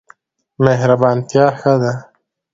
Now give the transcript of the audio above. مهربانتیا ښه ده.